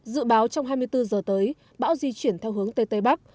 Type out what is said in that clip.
dự báo trong hai mươi bốn giờ tới bão di chuyển theo hướng tây tây bắc